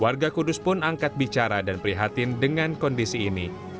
warga kudus pun angkat bicara dan prihatin dengan kondisi ini